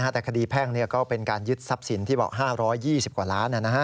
แต่คดีแพ่งก็เป็นการยึดทรัพย์สินที่บอก๕๒๐กว่าล้าน